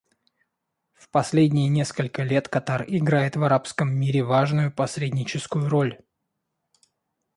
В последние несколько лет Катар играет в арабском мире важную посредническую роль.